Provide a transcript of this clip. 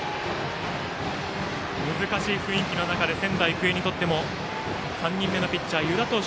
難しい雰囲気の中で仙台育英にとっても３人目のピッチャー、湯田投手。